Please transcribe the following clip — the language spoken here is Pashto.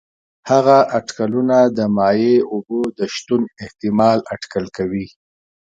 هغه اټکلونه د مایع اوبو د شتون احتمال اټکل کوي.